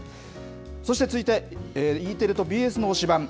そして続いて、ＥテレとＢＳの推しバン！